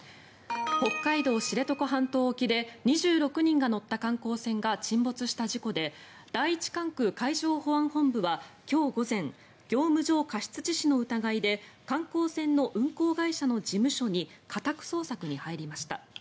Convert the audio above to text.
北海道・知床半島沖で２６人が乗った観光船が沈没した事故で第一管区海上保安本部は今日午前業務上過失致死の疑いで観光船の運航会社の事務所に家宅捜索に入りました。